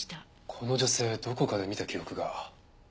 この女性どこかで見た記憶が。